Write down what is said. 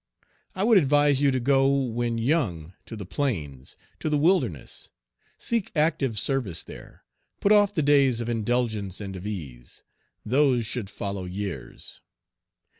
I would advise you to go when young to the plains to the wilderness seek active service there, put off the days of indulgence and of ease. Those should follow years.